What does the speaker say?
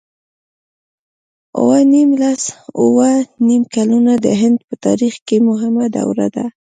اووه نېم لس اووه نېم کلونه د هند په تاریخ کې مهمه دوره ده.